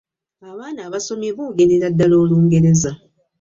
Abaana abasomye boogerera ddala olungereza